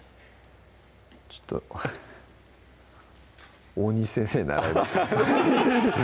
ちょっと大西先生に習いました